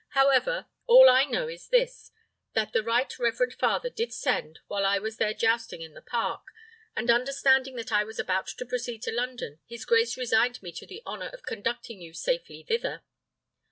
However, all I know is this, that the right reverend father did send while I was there jousting in the park; and understanding that I was about to proceed to London, his grace resigned to me the honour of conducting you safely thither."